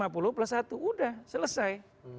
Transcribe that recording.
lima puluh plus satu sudah selesai